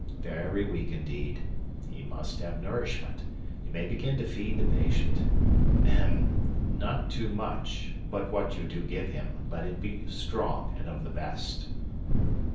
Very weak, indeed. He must have nourishment. You may begin to feed the patient. Ahem! Not too much, but what you do give him let it be strong and of the best."